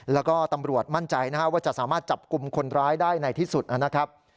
แล้วก็ตำรวจมั่นใจนะครับว่าจะสามารถจับกลุ่มคนร้ายได้ในที่สุดนะครับ